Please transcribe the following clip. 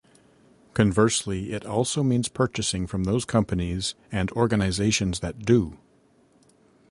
Conversely, it also means purchasing from those companies and organizations that do.